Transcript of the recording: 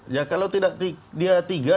ya kalau tidak dia tiga